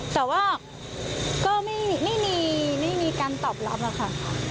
แต่ว่าก็ไม่มีการตอบรับอะค่ะ